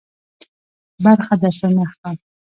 برخه درسره نه اخلم.